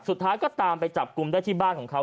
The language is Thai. สุดท้ายก็ตามไปจับกลุ่มได้ที่บ้านของเขา